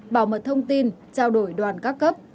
bảo mật thông tin trao đổi đoàn các cấp